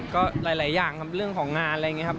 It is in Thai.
ก็หลายอย่างครับเรื่องของงานอะไรอย่างนี้ครับ